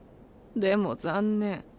でも残念。